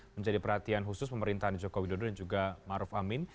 menjadi perhatian khusus pemerintahan joko widodo dan juga maruf amin